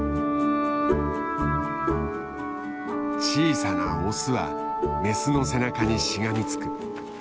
小さなオスはメスの背中にしがみつく。